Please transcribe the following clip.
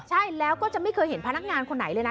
ใช่แล้วก็จะไม่เคยเห็นพนักงานคนไหนเลยนะ